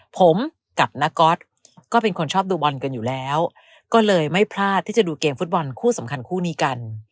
ผมกับนักก๊อตก็เป็นคนชอบดูบอลกันอยู่แล้วก็เลยไม่พลาดที่จะดูเกมฟุตบอลคู่สำคัญคู่นี้กัน